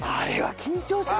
緊張して。